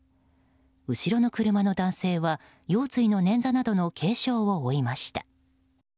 後ろの車の男性は腰椎のねんざなどの軽傷を負いました。